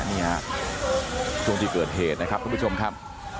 นี่ฮะช่วงที่เกิดเหตุนะครับทุกผู้ชมครับ